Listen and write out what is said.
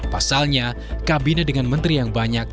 pasalnya kabinet dengan menteri yang banyak